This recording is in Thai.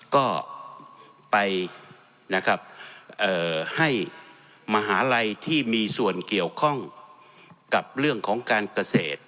ก็ไปนะครับให้มหาลัยที่มีส่วนเกี่ยวข้องกับเรื่องของการเกษตร